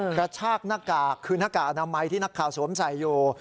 กระชากหน้ากากคือหน้ากากอนามัยที่นักข่าวสวมใส่อยู่